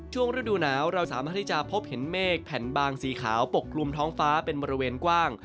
ฤดูหนาวเราสามารถที่จะพบเห็นเมฆแผ่นบางสีขาวปกกลุ่มท้องฟ้าเป็นบริเวณกว้าง